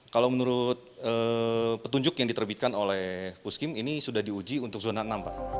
kalau menurut petunjuk yang diterbitkan oleh puskim ini sudah diuji untuk zona enam pak